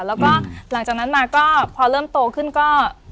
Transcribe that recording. แล้วก็หลังจากนั้นมาก็พอเริ่มโตขึ้นก็